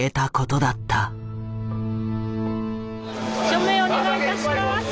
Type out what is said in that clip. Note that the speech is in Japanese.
署名お願いいたします。